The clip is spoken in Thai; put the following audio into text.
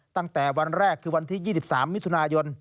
ตั้งแต่วันแรกคือวันที่๒๓มิถุนายน